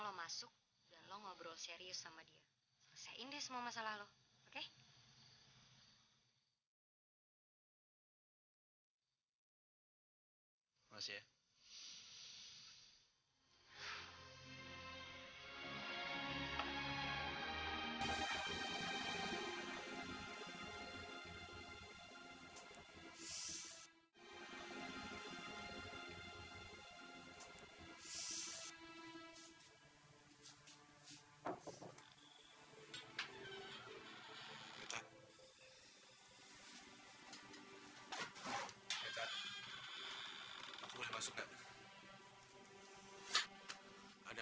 lo pengen keadaan kembali seperti normal